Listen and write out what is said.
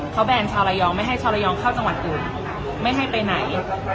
เขาแบนชาวระยองไม่ให้ชาวระยองเข้าจังหวัดอื่นไม่ให้ไปไหน